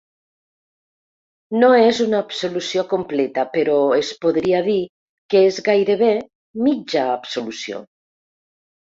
No és una absolució completa, però es podria dir que és gairebé mitja absolució.